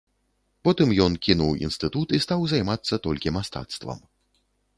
Потым ён кінуў інстытут і стаў займацца толькі мастацтвам.